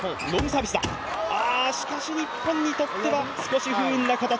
しかし日本にとっては少し不運な形。